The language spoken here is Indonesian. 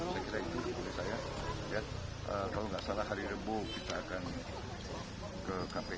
saya kira itu kalau tidak salah hari rebuh kita akan ke kpu